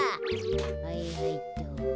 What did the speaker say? はいはいっと。